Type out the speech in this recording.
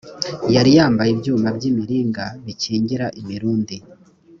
yari yambaye ibyuma by imiringa bikingira imirundi